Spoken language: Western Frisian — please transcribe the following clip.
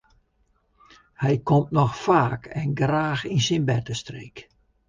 Hy komt noch faak en graach yn syn bertestreek.